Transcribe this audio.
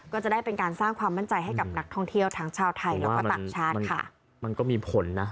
ก็จะได้เป็นการสร้างความมั่นใจให้กับนักท่องเที่ยวทั้งชาวไทยแล้วก็ต่างชาติค่ะมันก็มีผลนะ